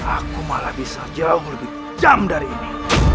aku malah bisa jauh lebih jam dari ini